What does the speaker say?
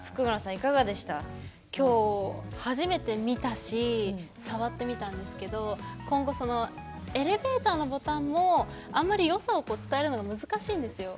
今日、初めて見たし触ってみたんですけど今後、エレベーターのボタンもあんまり、よさを伝えるのが難しいんですよ。